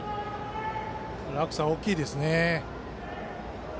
落差が大きいですね。